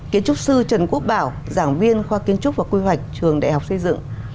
kiến trúc sư trần quốc bảo giảng viên khoa kiến trúc và quy hoạch trường đại học xây dựng